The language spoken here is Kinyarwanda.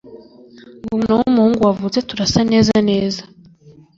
ngo uwo mwana wumuhungu wavutse turasa neza neza